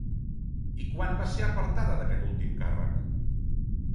I quan va ser apartada d'aquest últim càrrec?